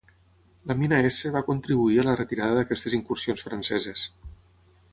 La mina S va contribuir a la retirada d'aquestes incursions franceses.